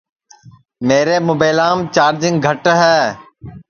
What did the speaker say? میرے مُبیلام چارجِنگ گھٹ ہے